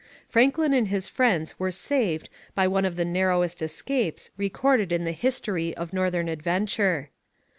Franklin and his friends were saved by one of the narrowest escapes recorded in the history of northern adventure.